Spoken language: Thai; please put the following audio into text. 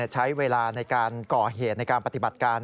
ใช้เวลาในการก่อเหตุในการปฏิบัติการ